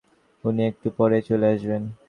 উনি একটু পরেই চলে আসবেন।